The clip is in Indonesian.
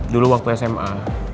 dulu waktu sma